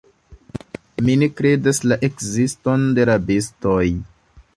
Mi ne kredas la ekziston de rabistoj.